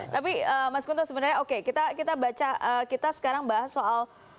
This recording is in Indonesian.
tapi mas kunto sebenarnya oke kita sekarang bahas soal